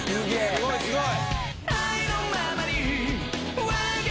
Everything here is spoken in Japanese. すごいすごい。